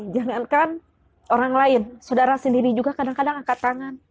jangankan orang lain saudara sendiri juga kadang kadang angkat tangan